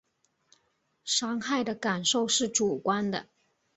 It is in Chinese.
伤害的感受是主观的